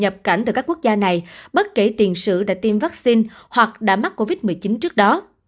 nhập cảnh từ các quốc gia này bất kể tiền sử đã tiêm vaccine hoặc đã mắc covid một mươi chín trước đó